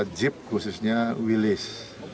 minta jeep khususnya willys